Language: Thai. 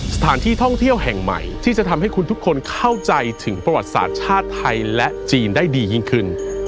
สถานที่ท่องเที่ยวแห่งใหม่ที่จะทำให้คุณทุกคนเข้าใจถึงประวัติศาสตร์ชาติไทยและจีนได้ดียิ่งขึ้น